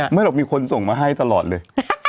ไม่หรอกมีคนส่งมาให้ตลอดเลย